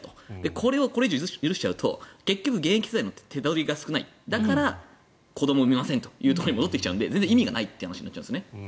これをこれ以上許しちゃうと現役世代の手取りが少ないだから、子どもを産みませんというところに戻ってきちゃうので全然意味がないという話になるんですね。